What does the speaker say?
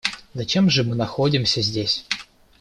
Зачем же мы находимся здесь?